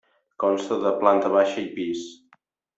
Consta de planta baixa i pis.